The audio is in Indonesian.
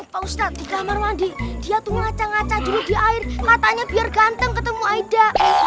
pak ustadz di kamar mandi dia tuh ngaca ngaca dulu di air matanya biar ganteng ketemu aida